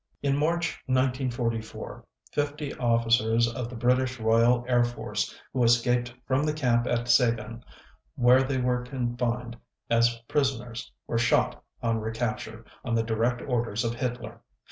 In March 1944 fifty officers of the British Royal Air Force, who escaped from the camp at Sagan where they were confined as prisoners, were shot on recapture, on the direct orders of Hitler.